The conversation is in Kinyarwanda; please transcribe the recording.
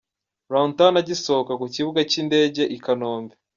Runtown agisohoka mu kibuga cy'indege i Kanombe.